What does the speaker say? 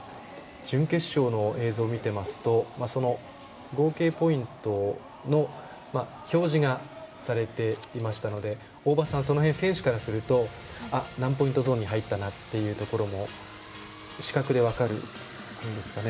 準決勝の映像を見ていますと、合計ポイントの表示がされていましたので大場さん、その辺選手からすると何ポイントゾーンに入ったぞと視覚で分かるんですかね？